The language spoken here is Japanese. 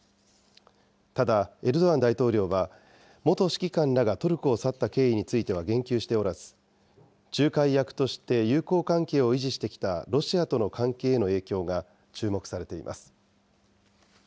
ただエルドアン大統領は、元指揮官らがトルコを去った経緯については言及しておらず、仲介役として友好関係を維持してきたロシアとの関係への影響が注目されています。